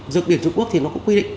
dược điển trung quốc thì nó có quy định